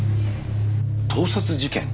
盗撮事件？